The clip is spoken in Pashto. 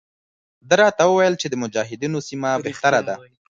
ده راته وویل چې د مجاهدینو سیمه بهتره ده.